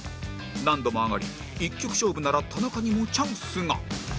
難度も上がり１局勝負なら田中にもチャンスが